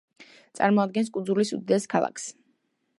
წარმოადგენს კუნძულის უდიდეს ქალაქს.